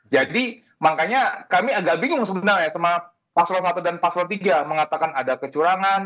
jadi makanya kami agak bingung sebenarnya sama pak sloan i dan pak sloan iii mengatakan ada kecurangan